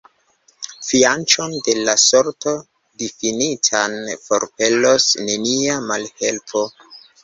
Fianĉon de la sorto difinitan forpelos nenia malhelpo.